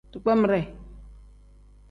Digbeemire.